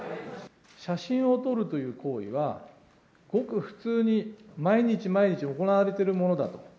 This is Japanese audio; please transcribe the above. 写真を撮るという行為は、ごく普通に、毎日毎日行われているものだと。